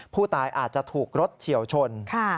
ผู้ตายอาจจะถูกรถเฉียวชน